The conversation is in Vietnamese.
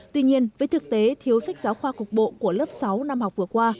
tuy nhiên với thực tế thiếu sách giáo khoa cục bộ của lớp sáu năm học vừa qua